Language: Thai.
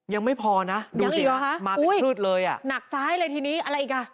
ยังไม่พอนะดูสิมาเป็นพลืดเลยอ่ะหนักซ้ายเลยทีนี้อะไรอีกอ่ะ